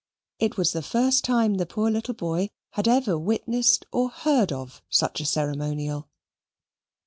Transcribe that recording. It was the first time the poor little boy had ever witnessed or heard of such a ceremonial.